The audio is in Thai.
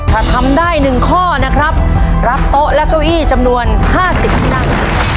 ถ้าทำได้๑ข้อนะครับรับโต๊ะและเก้าอี้จำนวน๕๐ที่นั่ง